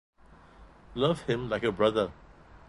Love him like a brother!